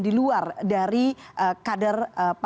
diluar dari kader